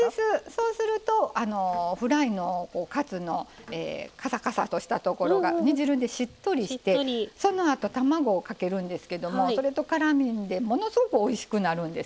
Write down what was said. そうするとフライのカツのカサカサとしたところが煮汁でしっとりしてそのあと、卵をかけるんですけどそれとからんでものすごくおいしくなるんです。